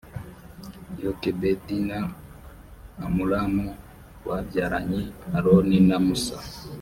yokebedi na amuramu babyaranye aroni na musa.